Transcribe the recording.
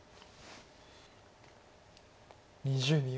２０秒。